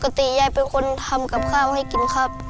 ยายเป็นคนทำกับข้าวให้กินครับ